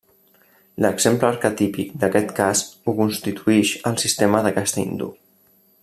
L'exemple arquetípic d'aquest cas ho constituïx el sistema de casta hindú.